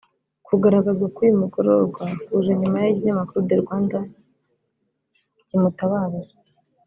Kugaragazwa k’uyu mugororwa kuje nyuma y’aho ikinyamakuru The Rwandan kimutabarije